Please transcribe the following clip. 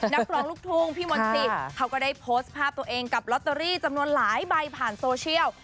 นักร้องลูกทุ่งพี่มนตรีเขาก็ได้โพสต์ภาพตัวเองกับลอตเตอรี่จำนวนหลายใบผ่านโซเชียล